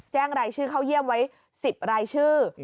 แจ้งนายชื่อเขาเยี่ยมไว้๑๐นายชื่อ